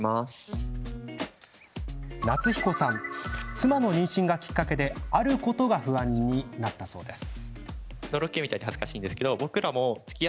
妻の妊娠がきっかけであることが不安になったそうです。